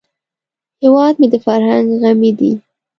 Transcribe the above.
هیواد مې د فرهنګ غمی دی